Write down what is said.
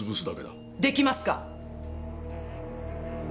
できますか？